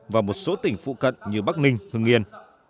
và một số tỉnh phụ cận như bắc ninh hương yên